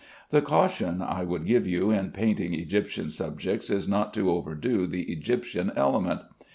The caution I would give you in painting Egyptian subjects is not to overdo the Egyptian element.